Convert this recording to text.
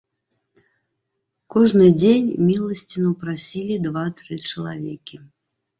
Кожны дзень міласціну прасілі два-тры чалавекі.